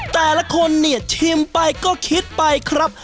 แต่ละคนเนี่ยชิมไปก็คิดไปครับ